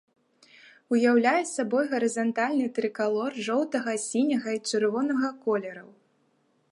Уяўляе сабой гарызантальны трыкалор жоўтага, сіняга і чырвонага колераў.